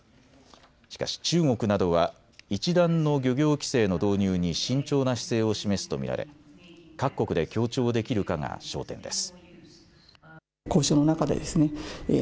しかし中国などは一段の漁業規制の導入に慎重な姿勢を示すと見られ各国で協調できるかが焦点です。